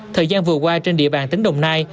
thời gian vừa qua trên địa bàn tỉnh đồng nai